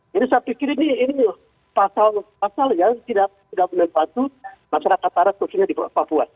jadi saya pikir ini pasal pasal yang tidak menempati masyarakat adat di papua